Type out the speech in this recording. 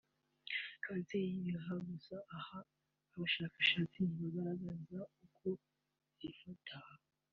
kanseri y’ibihaha gusa aha abashakashatsi ntibagaragaza uko zifata